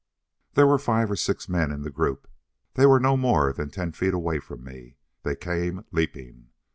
There were five or six men in the group. They were no more than ten feet away from me. They came leaping.